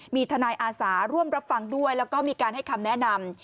มีทนายอาสาร่วมรับฟังด้วยแล้วก็มีการให้คำแนะนำ